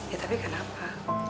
ya tapi kenapa